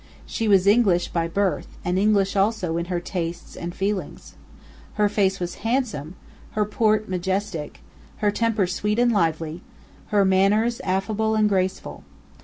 She was English by birth, and English also in her tastes and feelings. Her face was handsome, her port majestic, her temper sweet and lively, her manners affable and graceful.